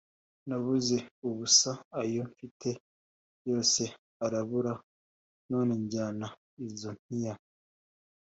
nabuze ubusa ayo mfite yose arabara none jyana izo miya"